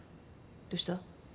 どうした？